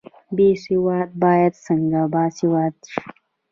بې سواده باید څنګه باسواده شي؟